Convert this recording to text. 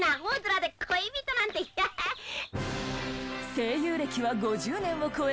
声優歴は５０年を超え